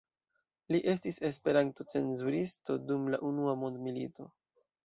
Li estis Esperanto-cenzuristo dum la unua mondmilito.